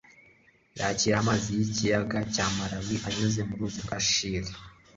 yakira amazi yikiyaga cya malawi anyuze mu ruzi rwa shire